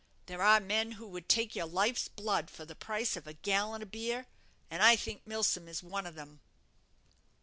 There are men who would take your life's blood for the price of a gallon of beer, and I think Milsom is one of 'em."